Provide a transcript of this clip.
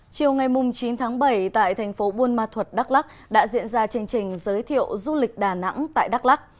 chiều ngày chín tháng bảy tại thành phố buôn ma thuật đắk lắc đã diễn ra chương trình giới thiệu du lịch đà nẵng tại đắk lắc